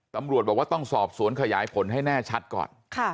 ตำรวจบอกว่าต้องสอบสวนขยายผลให้แน่ชัดก่อน